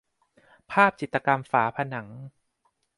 ภาพจิตรกรรมฝาผนัง